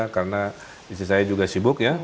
karena istri saya juga sibuk ya